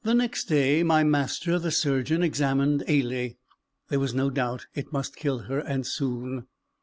Next day, my master, the surgeon, examined Ailie. There was no doubt it must kill her, and soon.